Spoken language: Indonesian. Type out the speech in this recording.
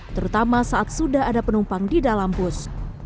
terutama saat sudah ada penumpang di dalam bus